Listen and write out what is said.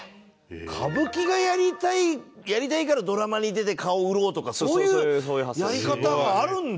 歌舞伎がやりたいからドラマに出て顔を売ろうとかそういうやり方があるんだ。